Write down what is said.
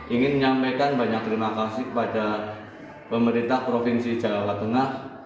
ingin menyampaikan banyak terima kasih kepada pemerintah provinsi jawa tengah